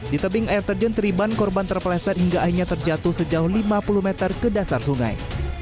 di tebing air terjun teriban korban terpeleset hingga akhirnya terjatuh sejauh lima puluh meter ke dasar sungai